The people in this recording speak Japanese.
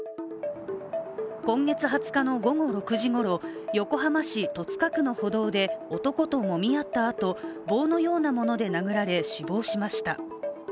今月２０日の午後６時ごろ、横浜市戸塚区の歩道で男ともみ合ったあと、棒のようなもので殴られ、死亡しました。